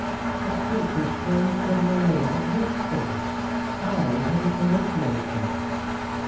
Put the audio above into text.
What did this strange criminal law exist for? How had it originated?